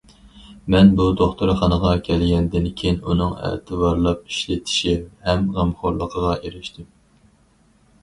مەن بۇ دوختۇرخانىغا كەلگەندىن كېيىن، ئۇنىڭ ئەتىۋارلاپ ئىشلىتىشى ھەم غەمخورلۇقىغا ئېرىشتىم.